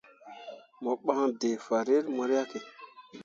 Mo ɓan d̃ǝǝ fanrel mo riahke.